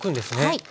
はい。